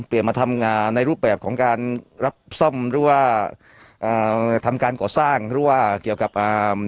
มาทำงานในรูปแบบของการรับซ่อมหรือว่าอ่าทำการก่อสร้างหรือว่าเกี่ยวกับอ่า